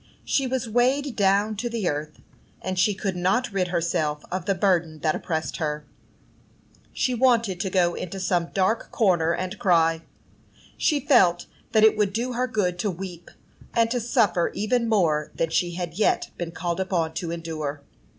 She was weighed down to the earth, and she could not rid herself of the burden that oppressed her. She wanted to go into some dark corner and cry. She felt that it would do her good to weep, and to suffer even more than she had yet been called upon to endure.